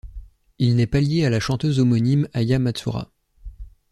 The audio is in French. Il n'est pas lié à la chanteuse homonyme Aya Matsūra.